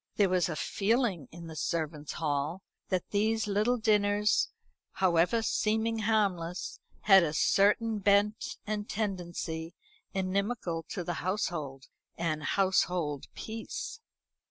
There was a feeling in the servants' hall that these little dinners, however seeming harmless, had a certain bent and tendency inimical to the household, and household peace.